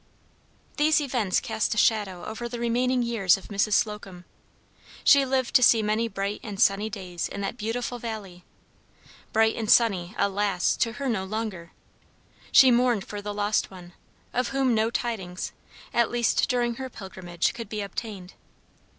These events cast a shadow over the remaining years of Mrs. Slocum. She lived to see many bright and sunny days in that beautiful valley bright and sunny, alas! to her no longer. She mourned for the lost one, of whom no tidings, at least during her pilgrimage, could be obtained.